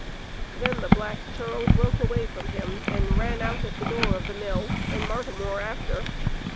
Then the black churl broke away from him and ran out at the door of the mill, and Martimor after.